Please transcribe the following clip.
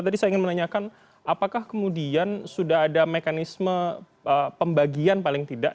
tadi saya ingin menanyakan apakah kemudian sudah ada mekanisme pembagian paling tidak